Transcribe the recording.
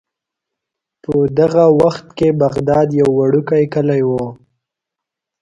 په دغه وخت کې بغداد یو وړوکی کلی و.